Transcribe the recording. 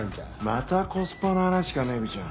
またコスパの話かメグちゃん。